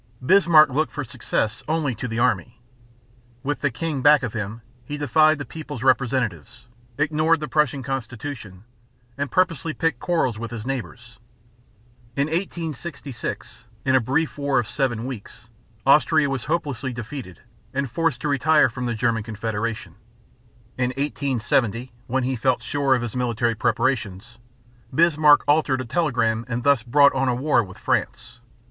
Bismarck looked for success only to the army. With the king back of him, he defied the people's representatives, ignored the Prussian constitution, and purposely picked quarrels with his neighbors. In 1866, in a brief war of seven weeks, Austria was hopelessly defeated and forced to retire from the German Confederation. In 1870, when he felt sure of his military preparations, Bismarck altered a telegram and thus brought on a war with France.